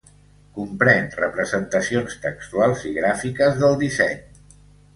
Comprèn representacions textuals i gràfiques del disseny.